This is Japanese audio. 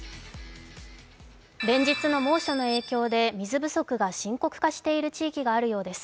連日の猛暑の影響で水不足が深刻化している地域があるようです。